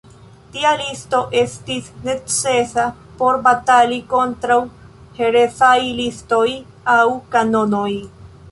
Tia listo estis necesa por batali kontraŭ herezaj listoj aŭ kanonoj.